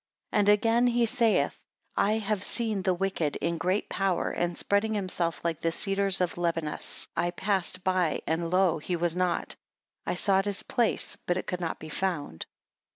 11 And again he saith, I have seen the wicked in great power and spreading himself like the cedar of Libanus. I passed by, and lo! he was not; I sought his place, but it could not be found.